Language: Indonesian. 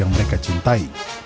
yang mereka cintai